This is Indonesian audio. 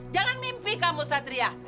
jangan mimpi kamu satria